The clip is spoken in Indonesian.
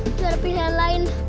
tidak ada pilihan lain